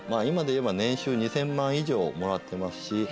今でいえば年収２０００万円以上もらっていますし。